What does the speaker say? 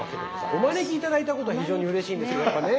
お招き頂いたことは非常にうれしいんですけどやっぱね